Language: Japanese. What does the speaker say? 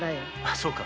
そうか。